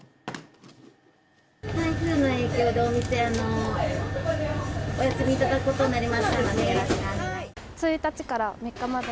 台風の影響で、お店、お休みいただくことになりましたので。